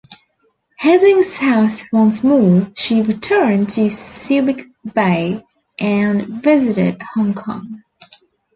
Heading south once more, she returned to Subic Bay and visited Hong Kong.